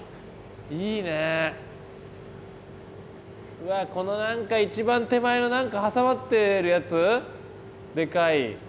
うわこの何か一番手前の何か挟まってるやつでかい。